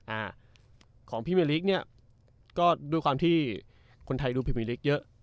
อ่าของพี่เวลิกเนี่ยก็ด้วยความที่คนไทยดูพิเวลิกเยอะ